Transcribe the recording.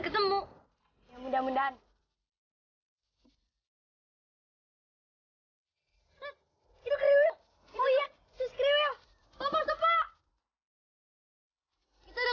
kita sudah ketemu teman kita yang hilang